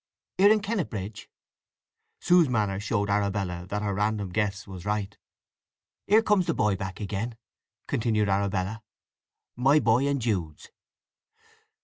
"Here in Kennetbridge?" Sue's manner showed Arabella that her random guess was right. "Here comes the boy back again," continued Arabella. "My boy and Jude's!"